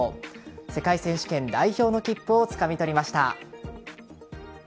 世界選手権代表の切符をつかみ取りました。